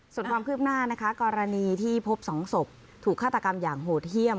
ส่วนความคืบหน้านะคะกรณีที่พบสองศพถูกฆาตกรรมอย่างโหดเยี่ยม